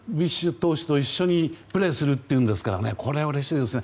投手と一緒にプレーするというんですからこれはうれしいですね。